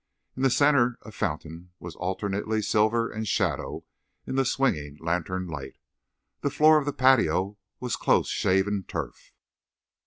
In the center a fountain was alternately silver and shadow in the swinging lantern light. The floor of the patio was close shaven turf.